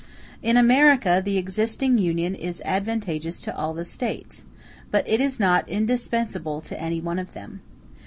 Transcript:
] In America the existing Union is advantageous to all the States, but it is not indispensable to any one of them.